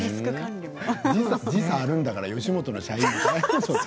時差があるんだから吉本の社員も。